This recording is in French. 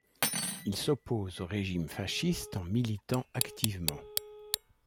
Il s'oppose au régime fasciste en militant activement.